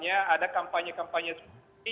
ada kampanye kampanye seperti ini